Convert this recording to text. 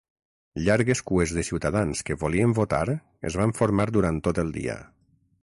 Llargues cues de ciutadans que volien votar es van formar durant tot el dia.